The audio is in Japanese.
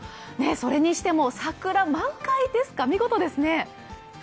それにしても桜、満開ですか、見事ですね。